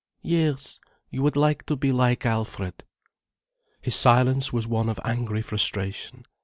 "Yes, you would like to be like Alfred." His silence was one of angry frustration.